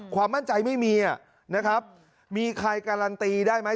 ความมั่นใจไม่มีนะครับมีใครการันตีได้ไหม